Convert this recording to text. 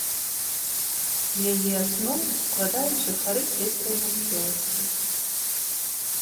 Яе аснову складаюць жыхары сельскай мясцовасці.